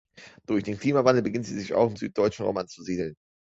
Durch den Klimawandel beginnt sie sich auch im süddeutschen Raum anzusiedeln.